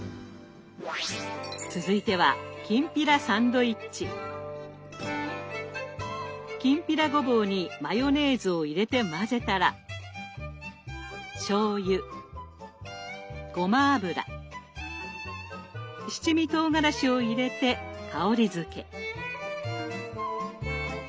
続いてはきんぴらごぼうにマヨネーズを入れて混ぜたらしょうゆごま油七味とうがらしを入れて香りづけ。